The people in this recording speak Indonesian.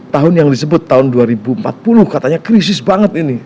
tahun yang disebut tahun dua ribu empat puluh katanya krisis banget ini